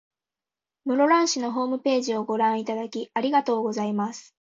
室蘭市のホームページをご覧いただき、ありがとうございます。